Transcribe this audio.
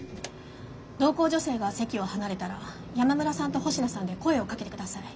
同行女性が席を離れたら山村さんと星名さんで声をかけて下さい。